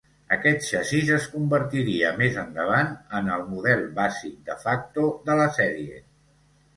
Aquest xassís es convertiria més endavant en el "model bàsic" "de facto" de la sèrie.